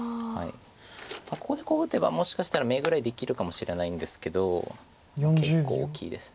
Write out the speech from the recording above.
ここでこう打てばもしかしたら眼ぐらいできるかもしれないんですけど結構大きいです。